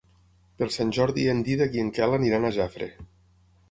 Per Sant Jordi en Dídac i en Quel aniran a Jafre.